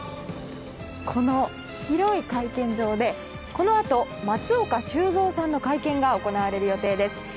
この広い会見場でこのあと松岡修造さんの会見が行われる予定です。